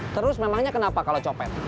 terus memangnya kenapa kalau copet